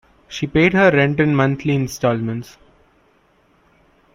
She paid her rent in monthly instalments